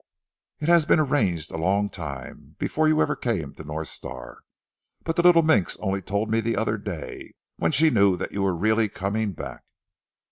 "It has been arranged a long time, before ever you came to North Star, but the little minx only told me the other day, when she knew that you were really coming back."